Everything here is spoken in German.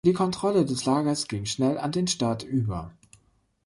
Die Kontrolle des Lagers ging schnell an den Staat über.